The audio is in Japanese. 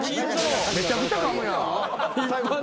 めちゃくちゃかむやん。